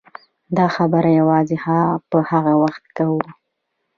دا خبره یوازې په هغه وخت کوو.